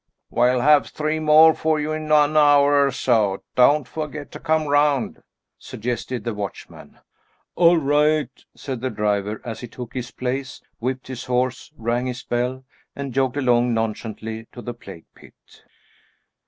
"We'll have three more for you in on hour of so don't forget to come round," suggested the watchman. "All right!" said the driver, as he took his place, whipped his horse, rang his bell, and jogged along nonchalantly to the plague pit.